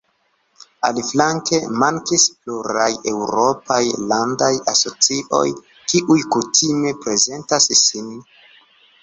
Aliflanke mankis pluraj eŭropaj landaj asocioj, kiuj kutime prezentas sin.